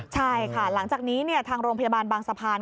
ใช่ค่ะหลังจากนี้ทางโรงพยาบาลบางสะพาน